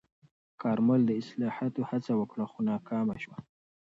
کارمل د اصلاحاتو هڅه وکړه، خو ناکامه شوه.